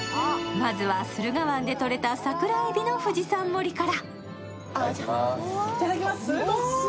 まずは、駿河湾で取れた桜えびの富士山盛りから。